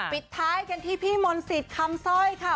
ปิดท้ายกันที่พี่มนต์สิทธิ์คำสร้อยค่ะ